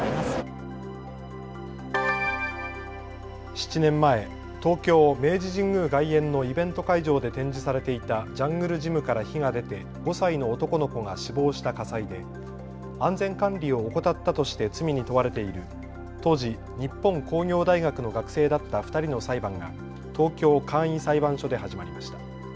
７年前、東京・明治神宮外苑のイベント会場で展示されていたジャングルジムから火が出て５歳の男の子が死亡した火災で安全管理を怠ったとして罪に問われている当時、日本工業大学の学生だった２人の裁判が東京簡易裁判所で始まりました。